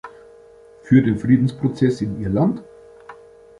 Für den Friedensprozess in Irland?